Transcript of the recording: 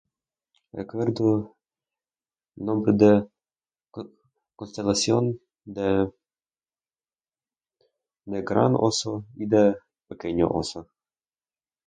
(...) nombre de... co...constelación de ... de Gran Oso y de Pequeño Oso.